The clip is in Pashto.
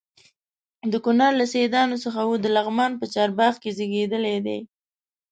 د کونړ له سیدانو څخه و د لغمان په چارباغ کې زیږېدلی دی.